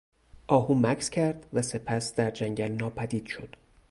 آهو مکث کرد و سپس در جنگل ناپدید شد.